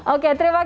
oke terima kasih